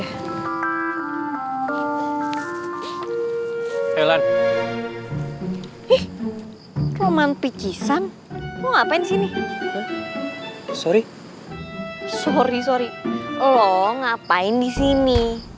hai helen ih kemanpikisan ngapain sini sorry sorry sorry lo ngapain di sini